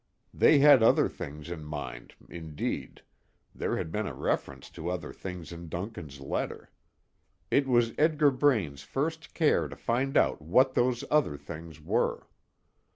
They had other things in mind indeed, there had been a reference to other things in Duncan's letter. It was Edgar Braine's first care to find out what those other things were.